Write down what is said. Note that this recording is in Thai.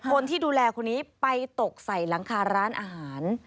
คนที่ดูแลคนนี้ไปตกใส่หลังคาร้านอาหาร